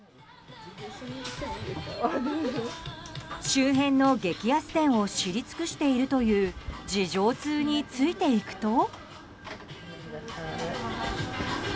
周辺の激安店を知り尽くしているという事情通についていくと。